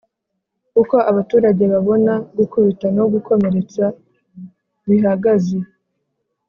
Uko abaturage babona gukubita no gukomeretsa bihagaze